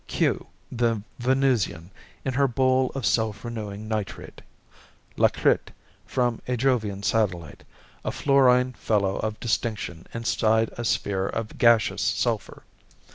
Kew, the Venusian, in her bowl of self renewing nitrate. Lakrit from a Jovian satellite, a fluorine fellow of distinction inside a sphere of gaseous sulphur.